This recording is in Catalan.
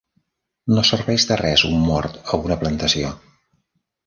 No serveix de res un mort a una plantació.